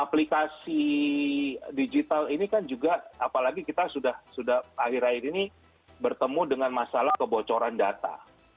aplikasi digital ini kan juga apalagi kita sudah akhir akhir ini bertemu dengan masalah kebocoran data